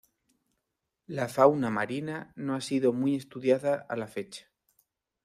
La fauna marina no ha sido muy estudiada a la fecha.